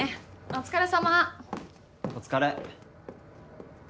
お疲れ。